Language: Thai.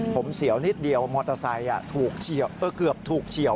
ผมเสียวนิดเดียวมอเตอร์ไซค์เกือบถูกเฉียว